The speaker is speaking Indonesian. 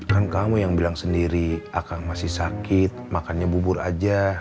kan kamu yang bilang sendiri akang masih sakit makannya bubur aja